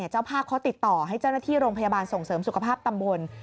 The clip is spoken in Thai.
เจ้าภาพเขาติดต่อให้เจ้าหน้าที่โรงพยาบาลส่งเสริมสุขภาพตำบล